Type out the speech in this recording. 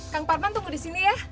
kang parman tunggu disini ya